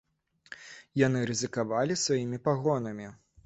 Яны рызыкавалі сваімі пагонамі.